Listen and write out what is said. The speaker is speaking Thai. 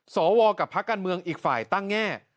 สวกับพักการเมืองอีกฝ่ายตั้งแง่